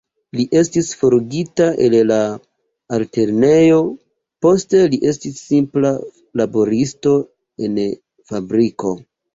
Li estis forigita el la altlernejo, poste li estis simpla laboristo en fabriko.